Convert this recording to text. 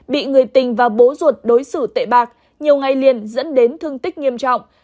bị người tình và bố ruột đối xử tệ bạc nhiều ngày liền dẫn đến thương tích nghiêm trọng